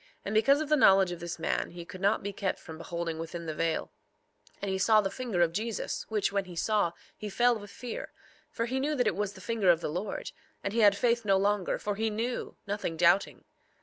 3:19 And because of the knowledge of this man he could not be kept from beholding within the veil; and he saw the finger of Jesus, which, when he saw, he fell with fear; for he knew that it was the finger of the Lord; and he had faith no longer, for he knew, nothing doubting.